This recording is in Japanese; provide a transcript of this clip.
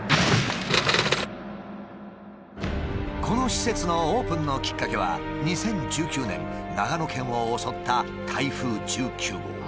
この施設のオープンのきっかけは２０１９年長野県を襲った台風１９号。